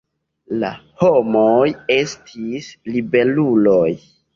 La homoj estis ribeluloj.